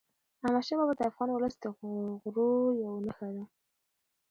احمدشاه بابا د افغان ولس د غرور یوه نښه وه.